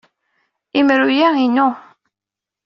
Imru-a inu.